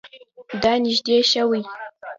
دا نژدې شوی؟